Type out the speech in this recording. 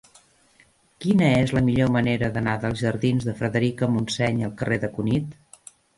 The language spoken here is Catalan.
Quina és la millor manera d'anar dels jardins de Frederica Montseny al carrer de Cunit?